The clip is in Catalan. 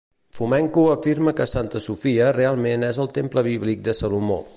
Fomenko afirma que Santa Sofia realment és el temple bíblic de Salomó.